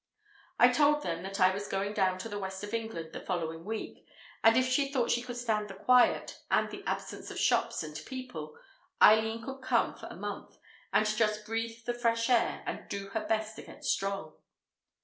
I told them that I was going down to the West of England the following week, and if she thought she could stand the quiet, and the absence of shops and people, Eileen could come for a month, and just breathe the fresh air and do her best to get strong.